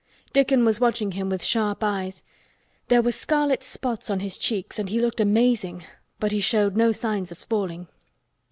Dickon was watching him with sharp eyes. There were scarlet spots on his cheeks and he looked amazing, but he showed no signs of falling.